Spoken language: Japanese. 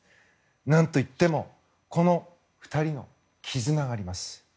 何といってもこの２人の絆があります。